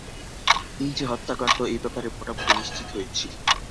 এটা যে হত্যাকাণ্ড এ-ব্যাপারে মোটামুটি নিশ্চিত হয়েছি।